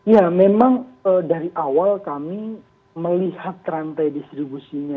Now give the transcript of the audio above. ya memang dari awal kami melihat rantai distribusinya